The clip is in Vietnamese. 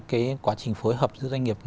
cái quá trình phối hợp giữa doanh nghiệp